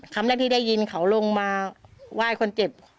คำแรกที่ได้ยินเขาลงมาไหว้คนเจ็บ